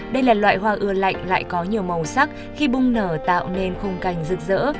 đây là loại hoa ưa lạnh lại có nhiều màu sắc khi bung nở tạo nên khung cảnh rực rỡ